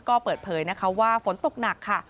ก็เปิดเผยนะคะว่าฝนตกหนักค่ะ